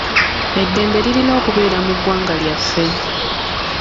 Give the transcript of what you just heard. Eddembe lirina okubeera mu gwanga lyaffe.